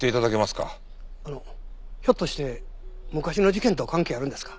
あのひょっとして昔の事件と関係あるんですか？